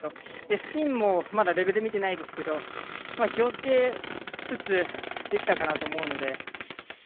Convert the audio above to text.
スピンもまだレベル見てないですけど気をつけつつできたかなと思うので。